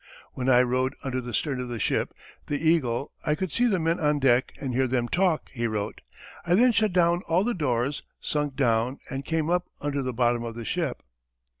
"When I rode under the stern of the ship [the Eagle] I could see the men on deck and hear them talk," he wrote. "I then shut down all the doors, sunk down, and came up under the bottom of the ship."